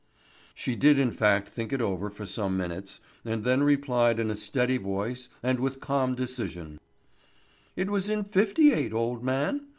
She did in fact think it over for some minutes, and then replied in a steady voice and with calm decision: "It was in fifty eight, old man.